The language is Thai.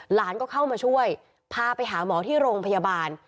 หลานก็เข้ามาช่วยพาไปหาหมอที่โรงพยาบาล